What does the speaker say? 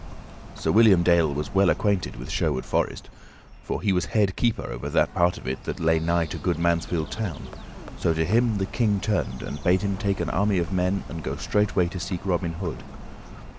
Sir William Dale was well acquainted with Sherwood Forest, for he was head keeper over that part of it that lay nigh to good Mansfield Town; so to him the King turned, and bade him take an army of men and go straightway to seek Robin Hood.